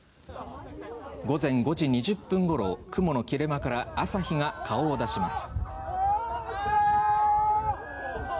午前５時２０分ごろ、雲の切れ間から朝日が顔を出します。